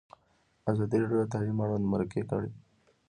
ازادي راډیو د تعلیم اړوند مرکې کړي.